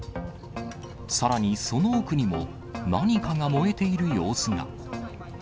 さらにその奥にも、何かが燃えている様子が。